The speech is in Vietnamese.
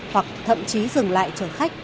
hoặc thậm chí dừng lại chờ khách